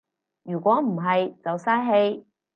如果唔係就嘥氣